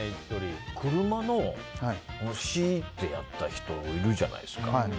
車のしーってやった人いるじゃないですか。